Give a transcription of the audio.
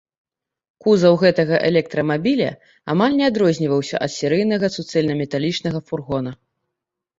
Кузаў гэтага электрамабіля амаль не адрозніваўся ад серыйнага суцэльнаметалічнага фургона.